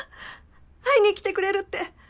会いに来てくれるって。